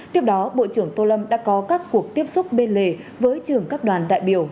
tiếp đó bộ trưởng tô lâm đã có các cuộc tiếp xúc bên lề với trưởng các đoàn đại biểu